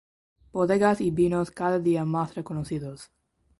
Bodegas y vinos cada día más reconocidos.